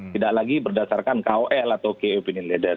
tidak lagi berdasarkan kol atau key opinion leader